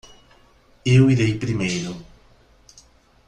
Eu irei primeiro.